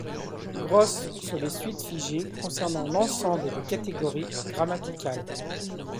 Gross sur les suites figées concernant l’ensemble des catégories grammaticales.